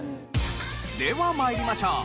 では参りましょう。